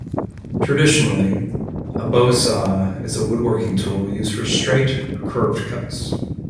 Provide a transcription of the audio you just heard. Traditionally, a bow saw is a woodworking tool used for straight or curved cuts.